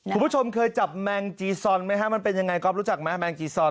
คุณผู้ชมเคยจับแมงจีซอนไหมฮะมันเป็นยังไงก๊อฟรู้จักไหมแมงจีซอน